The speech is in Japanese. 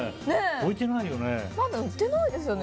置いてないよね。